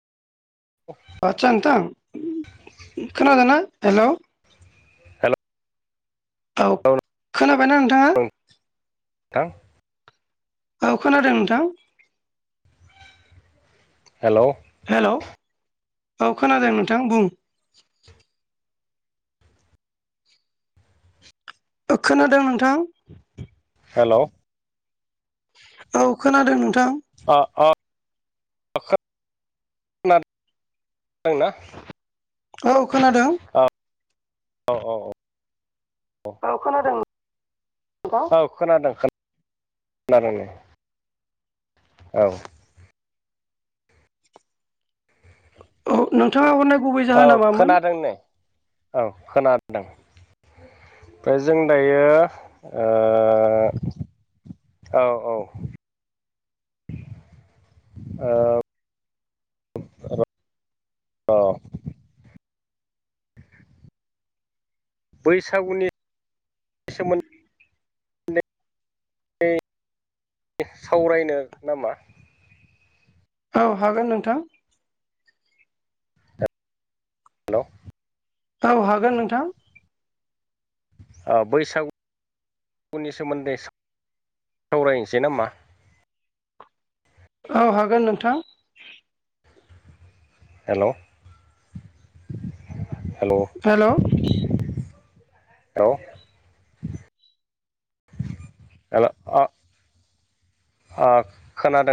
अ आदसा नों थां खोनादोंना हेल' हेल' औ खोनाबायना नोंथाङा थां औ खोनादों नोंथां हेलौ हेलौ औ खोनादों नोंथां बुं खोनादों नोंथां हेलौ औ खोनादों नोंथां अह अह आंना औ खोनादों औ औ औ औ। औ खोनादों औ खोनादों खोनादों। औ। औ नोंथाङा अन औ खोनादों नेै औ खोनादों। ओमफ्राय जों दायो ओ औ औ औ बैसागुनि सोमोन्दै सावरायनो नामा? औ हागोन नोंथां हेलौ औ हागोन नोंथां। बैसागुनि सोमोन्दै सावरायनोसै नामा? औ हागोन नोंथां। Hello hello. हेलौ औ हेलौ ओ खोनादों